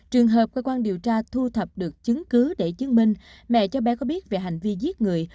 trường hợp cơ quan điều tra thu thập được chứng cứ để chứng minh mẹ cho bé có biết về hành vi giết người